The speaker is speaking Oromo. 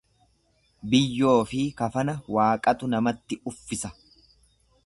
Biyyoofi kafana Waaqatu namatti uffisa.